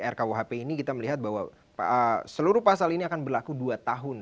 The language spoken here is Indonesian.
rkuhp ini kita melihat bahwa seluruh pasal ini akan berlaku dua tahun